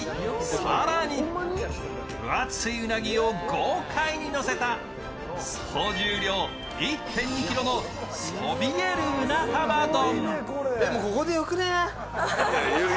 更に分厚いうなぎを豪快にのせた総重量１．２ｋｇのそびえる鰻玉丼。